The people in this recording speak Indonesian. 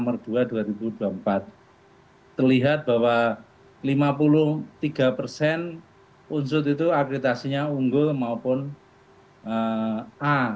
terlihat bahwa lima puluh tiga unsud itu akritasinya unggul maupun a